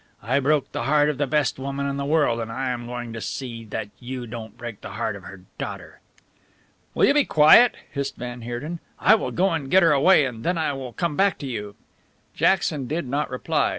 I broke the heart of the best woman in the world, and I am going to see that you don't break the heart of her daughter." "Will you be quiet?" hissed van Heerden. "I will go and get her away and then I will come back to you." Jackson did not reply.